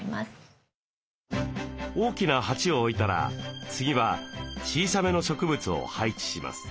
大きな鉢を置いたら次は小さめの植物を配置します。